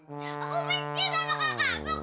pokoknya kak agus itu tuh pacar aku